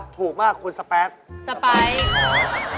ถูกมากคุณสป๊ายสป๊ายข้อมูลเข้ามาคะสป๊ายเร็ว